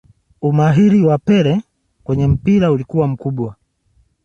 Umahiri waa pele kwenye mpira ulikuwa mkubwa